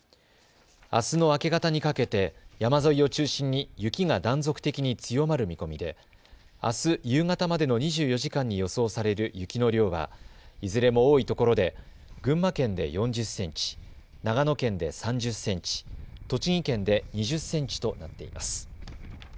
あすの明け方にかけて山沿いを中心に雪が断続的に強まる見込みであす夕方までの２４時間に予想される雪の量はいずれも多いところで群馬県で４０センチ、長野県で３０センチ、栃木県で２０センチとなっています。